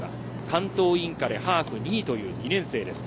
関東インカレハーフ２位という２年生です。